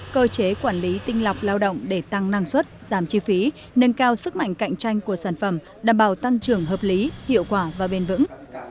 cơ chế quản lý tinh lọc lao động để tăng năng suất giảm chi phí nâng cao sức mạnh cạnh tranh của sản phẩm đảm bảo tăng trưởng hợp lý hiệu quả và bền vững